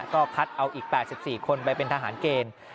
ก็คัดเอาอีก๘๔คนไปเป็นทหารเกณฑ์